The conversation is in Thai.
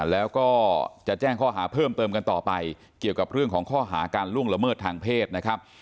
แล้วก็จะแจ้งข้อหาเพิ่มเติมกันต่อไปเกี่ยวกับเรื่องของข้อหาการล่วงละเมิดทางเพศนะครับ